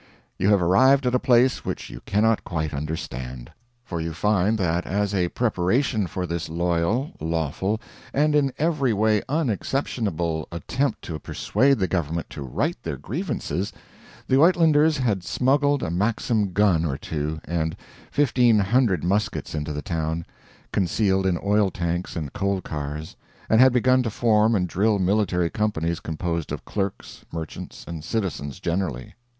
You have arrived at a place which you cannot quite understand. For you find that as a preparation for this loyal, lawful, and in every way unexceptionable attempt to persuade the government to right their grievances, the Uitlanders had smuggled a Maxim gun or two and 1,500 muskets into the town, concealed in oil tanks and coal cars, and had begun to form and drill military companies composed of clerks, merchants, and citizens generally.